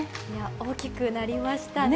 大きくなりましたね。